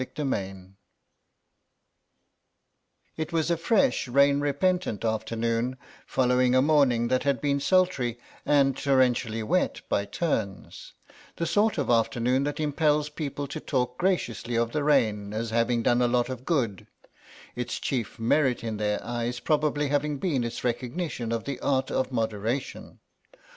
CHAPTER VIII IT was a fresh rain repentant afternoon, following a morning that had been sultry and torrentially wet by turns; the sort of afternoon that impels people to talk graciously of the rain as having done a lot of good, its chief merit in their eyes probably having been its recognition of the art of moderation.